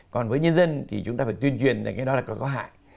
còn với nhân dân thì chúng ta phải tuyên truyền rằng cái đó là có hại